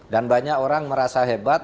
dan banyak orang merasa hebat